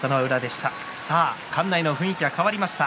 館内の雰囲気が変わりました。